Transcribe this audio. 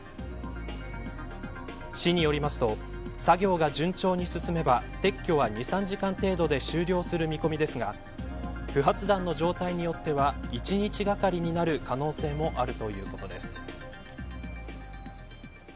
市によりますと作業が順調に進めば撤去は２、３時間程度で終了する見込みですが不発弾の状態によっては１日がかりになる可能性もあるということです。